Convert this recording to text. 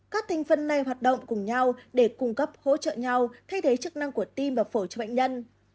các thành phần này hoạt động cùng nhau để cung cấp hỗ trợ nhau thay thế chức năng của tim và phổi cho bệnh nhân